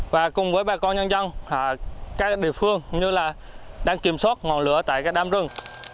và cùng với bà con nhân dân các địa phương cũng như là đang kiểm soát ngọn lửa tại các đám rừng